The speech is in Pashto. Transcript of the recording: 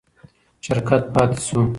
شرکت پاتې شو.